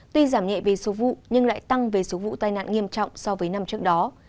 tuy giảm nhẹ về số vụ nhưng lại tăng về số vụ tai nạn nghiêm trọng so với năm trước đó